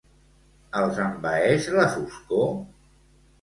Els envaeix la foscor?